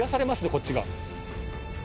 こっちが。